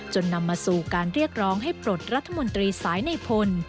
นำมาสู่การเรียกร้องให้ปลดรัฐมนตรีสายในพล